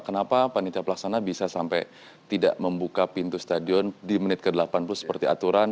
kenapa panitia pelaksana bisa sampai tidak membuka pintu stadion di menit ke delapan puluh seperti aturan